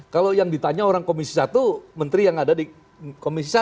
kalau yang ditanya orang komisi satu menteri yang ada di komisi satu